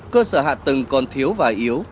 cơ sở hạ tầng còn thiếu và yếu